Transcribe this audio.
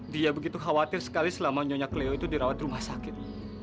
dia begitu khawatir sekali selama nyonya keleo itu dirawat rumah sakit